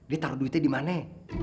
dia taruh duitnya dimana